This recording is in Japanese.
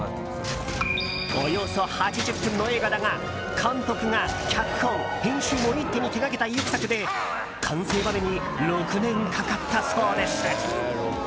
およそ８０分の映画だが監督が脚本・編集も一手に手掛けた意欲作で完成までに６年かかったそうです。